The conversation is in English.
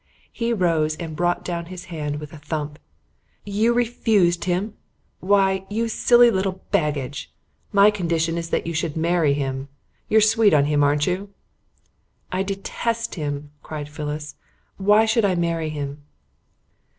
He rose and brought down his hand with a thump. "You refused him? Why, you silly little baggage, my condition is that you should marry him. You're sweet on him aren't you?" "I detest him," cried Phyllis. "Why should I marry him?"